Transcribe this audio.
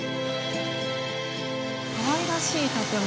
かわいらしい建物。